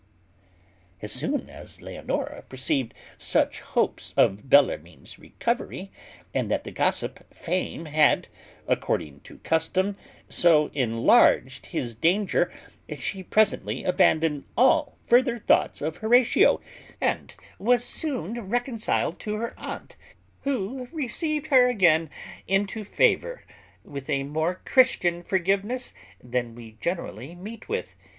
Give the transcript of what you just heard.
As soon as Leonora perceived such hopes of Bellarmine's recovery, and that the gossip Fame had, according to custom, so enlarged his danger, she presently abandoned all further thoughts of Horatio, and was soon reconciled to her aunt, who received her again into favour, with a more Christian forgiveness than we generally meet with.